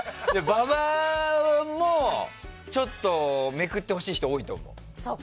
馬場もめくってほしい人多いと思う。